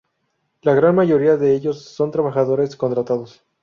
La gran mayoría de ellos son trabajadores contratados.